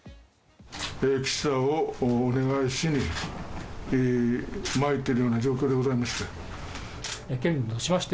岸田をお願いしに参ってるような状況でございまして。